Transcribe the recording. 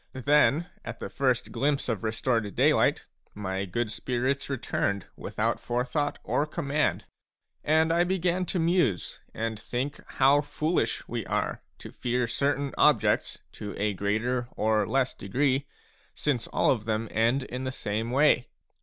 Then at the first glimpse of restored daylight m y good spirits returned without forethought or command. And I began to muse and think how foolish we are to fear certain objects to a greater or less degree, since all of them end in the same way.